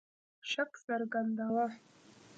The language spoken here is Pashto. شک څرګنداوه.